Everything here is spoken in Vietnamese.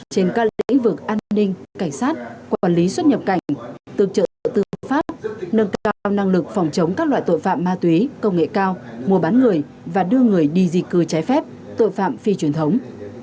trên các lĩnh vực an ninh cảnh sát quản lý xuất nhập cảnh tương trợ tư pháp nâng cao năng lực phòng chống các loại tội phạm ma túy công nghệ cao mua bán người và đưa người đi di cư trái phép tội phạm phi truyền thống